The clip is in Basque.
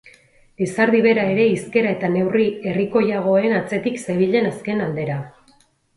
Lizardi bera ere hizkera eta neurri herrikoiagoen atzetik zebilen azken aldera.